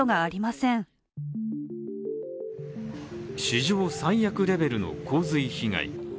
史上最悪レベルの洪水被害。